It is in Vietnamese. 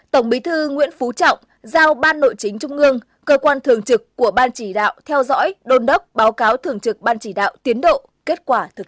tổng bí thư nguyễn phú trọng giao ban nội chính trung ương cơ quan thường trực của ban chỉ đạo theo dõi đôn đốc báo cáo thường trực ban chỉ đạo tiến độ kết quả thực